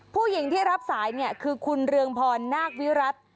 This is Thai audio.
ผู้หญิงที่รับสายเนี่ยคือคุณเรืองพรนาควิรัติ